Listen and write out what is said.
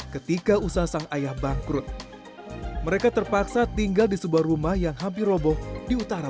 ketika usaha sang ayah bangkrut mereka terpaksa tinggal di sebuah rumah yang hampir roboh di utara